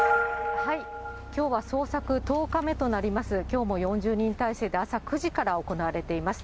きょうは捜索１０日目となります、きょうも４０人態勢で、朝９時から行われています。